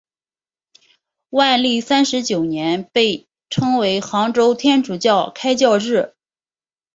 万历三十九年被称为杭州天主教开教日。